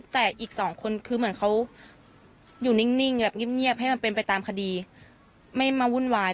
แต่อีกสองคนคือเหมือนเขาอยู่นิ่งแบบเงียบให้มันเป็นไปตามคดีไม่มาวุ่นวาย